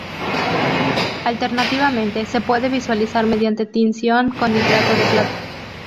Alternativamente, se puede visualizar mediante tinción con nitrato de plata.